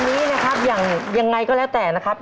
วันนี้นะครับอย่างยังไงก็แล้วแต่นะครับ